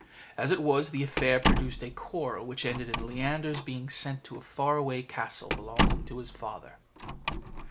As it was, the affair produced a quarrel, which ended in Leander's being sent to a far away castle belonging to his father.